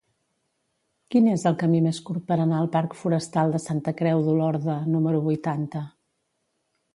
Quin és el camí més curt per anar al parc Forestal de Santa Creu d'Olorda número vuitanta?